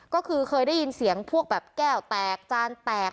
ก็คือเคยได้ยินเสียงพวกแบบแก้วแตกจานแตก